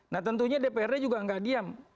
nah tentunya dprd juga nggak diam